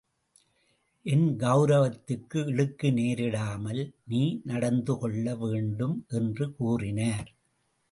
என் கெளரவத்துக்கு இழுக்கு நேரிடாமல், நீ நடந்து கொள்ள வேண்டும் என்று கூறினார்.